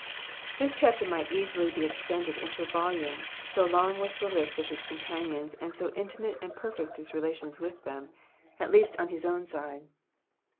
This chapter might easily be extended into a volume, so long was the list of his companions, and so intimate and perfect his relation with them, at least on his own side.